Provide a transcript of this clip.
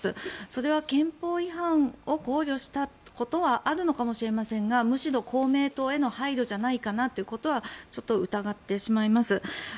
それは憲法違反を考慮したことはあるのかもしれませんがむしろ公明党への配慮じゃないかなということはちょっと疑ってしまいます。